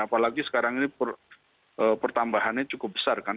apalagi sekarang ini pertambahannya cukup besar kan